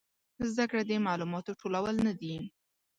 زده کړه د معلوماتو ټولول نه دي